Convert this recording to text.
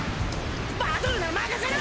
バトルなら任せろ！